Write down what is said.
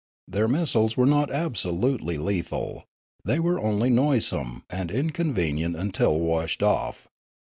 Their missiles were not absolutely lethal ; they were only noisome and inconvenient until washed off.